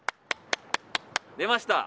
出ました。